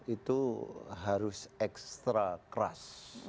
itu harus ekstra keras